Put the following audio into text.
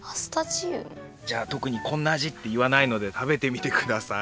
じゃあとくにこんなあじっていわないので食べてみてください。